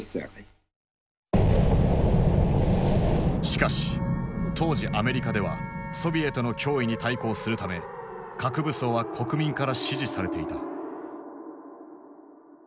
しかし当時アメリカではソビエトの脅威に対抗するため核武装は国民から支持されていた。